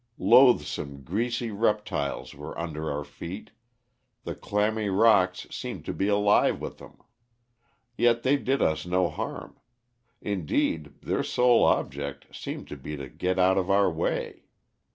"Loathsome, greasy reptiles were under our feet, the clammy rocks seemed to be alive with them. Yet they did us no harm; indeed, their sole object seemed to be to get out of our way.